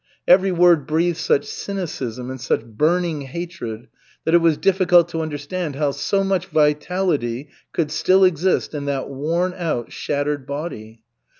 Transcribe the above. Every word breathed such cynicism and such burning hatred that it was difficult to understand how so much vitality could still exist in that worn out, shattered body.